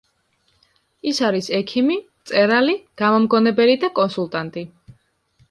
ის არის ექიმი, მწერალი, გამომგონებელი და კონსულტანტი.